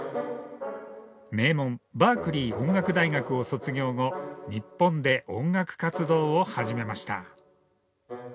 名門バークリー音楽大学を卒業後日本で音楽活動を始めました。